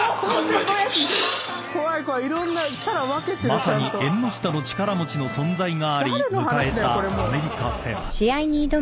［まさに縁の下の力持ちの存在があり迎えた］